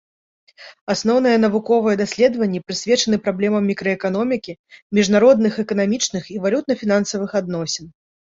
Асноўныя навуковыя даследаванні прысвечаны праблемам макраэканомікі, міжнародных эканамічных і валютна-фінансавых адносін.